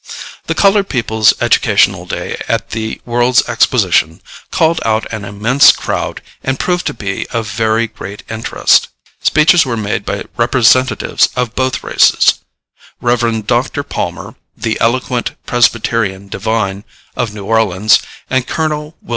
The Colored People's Educational Day at the World's Exposition called out an immense crowd and proved to be of very great interest. Speeches were made by representatives of both races. Rev. Dr. Palmer, the eloquent Presbyterian divine, of New Orleans, and Col. Wm.